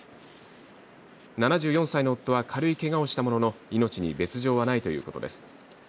７４歳の夫は軽いけがをしたものの命に別状はないということです。